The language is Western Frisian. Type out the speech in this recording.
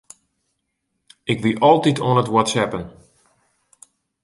Ik wie altyd oan it whatsappen.